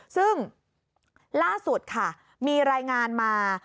ซึ่งล่าสุดค่ะมีรายงานมา